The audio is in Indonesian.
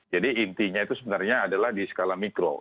jadi intinya itu sebenarnya adalah di skala mikro